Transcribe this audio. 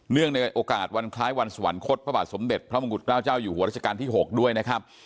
ในโอกาสวันคล้ายวันสวรรคตพระบาทสมเด็จพระมงกุฎเกล้าเจ้าอยู่หัวรัชกาลที่๖ด้วยนะครับ